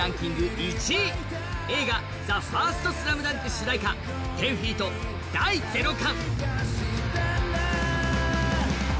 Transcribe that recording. １位映画「ＴＨＥＦＩＲＳＴＳＬＡＭＤＵＮＫ」主題歌１０−ＦＥＥＴ、「第ゼロ感」。